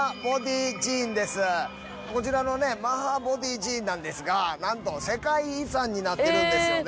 こちらのねマハーボディー寺院なんですがなんと世界遺産になってるんですよね。